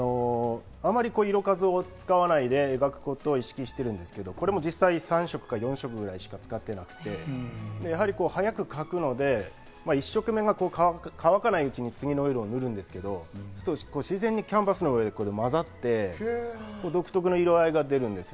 あまり色数を使わないで描くことを意識してるんですが、実際これも３色か４色だけ使って早く描くので、１色目が乾かないうちに次の色を塗るんですけど、自然にキャンバスの上で混ざって独特な色合いが出るんです。